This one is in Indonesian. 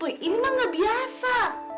boy ini mah gak biasa